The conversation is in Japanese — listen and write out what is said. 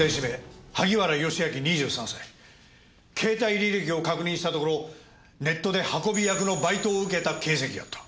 携帯履歴を確認したところネットで運び役のバイトを受けた形跡があった。